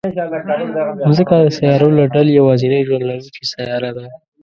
مځکه د سیارو له ډلې یوازینۍ ژوند لرونکې سیاره ده.